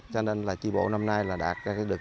cho nên là tri bộ năm nay là đạt được